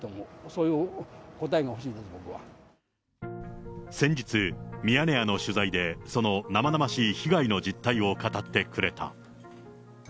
そういう答えが欲しいですね、僕先日、ミヤネ屋の取材で、その生々しい被害の実態を語ってくれた。